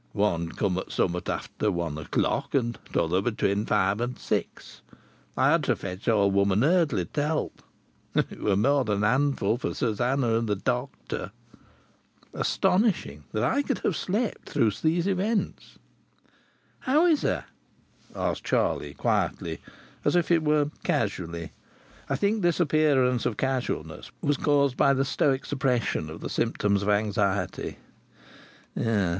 "One come at summat after one o'clock, and th' other between five and six. I had for fetch old woman Eardley to help. It were more than a handful for Susannah and th' doctor." Astonishing, that I should have slept through these events! "How is her?" asked Charlie, quietly, as it were casually. I think this appearance of casualness was caused by the stoic suppression of the symptoms of anxiety.